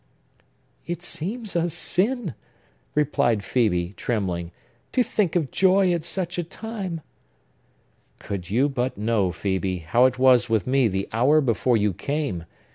"It seems a sin," replied Phœbe, trembling, "to think of joy at such a time!" "Could you but know, Phœbe, how it was with me the hour before you came!"